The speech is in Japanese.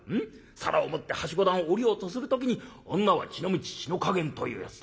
皿を持ってはしご段を下りようとする時に『女は血の道血の加減』というやつだ。